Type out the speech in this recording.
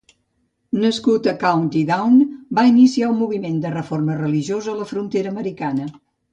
Nascut a County Down, va iniciar un moviment de reforma religiosa a la frontera americana.